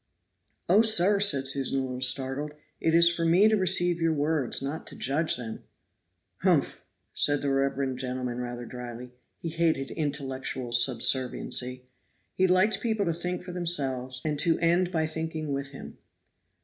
"Oh, sir," said Susan, a little startled, "it is for me to receive your words, not to judge them." "Humph!" said the reverend gentleman rather dryly; he hated intellectual subserviency. He liked people to think for them selves; and to end by thinking with him.